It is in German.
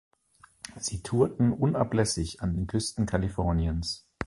Sie tourten unablässig an den Küsten Kaliforniens.